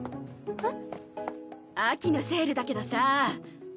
えっ？